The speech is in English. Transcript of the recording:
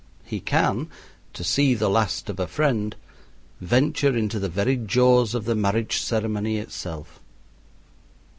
He can, to see the last of a friend, venture into the very jaws of the marriage ceremony itself.